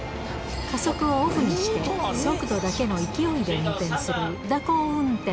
加速をオフにして、速度だけの勢いで運転する惰行運転。